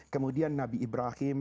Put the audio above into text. kemudian nabi ibrahim